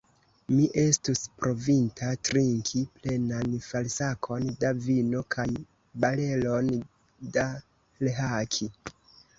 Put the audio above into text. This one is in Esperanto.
Mi estus povinta trinki plenan felsakon da vino kaj barelon da rhaki.